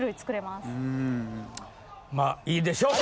まあいいでしょう。